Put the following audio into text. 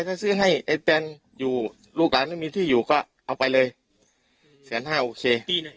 ถ้าซื้อให้ไอ้แตนอยู่ลูกหลานไม่มีที่อยู่ก็เอาไปเลยแสนห้าโอเค